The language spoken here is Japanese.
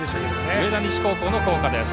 上田西高校の校歌です。